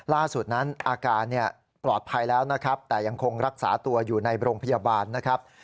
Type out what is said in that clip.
ล่าสุดนั้นอาการปลอดภัยแล้วนะครับแต่ยังคงรักษาตัวอยู่ในโรงพยาบาลนะครับ